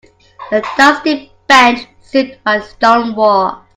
The dusty bench stood by the stone wall.